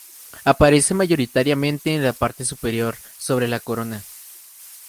Aparece mayoritariamente en la parte superior, sobre la corona.